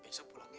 besok pulang ya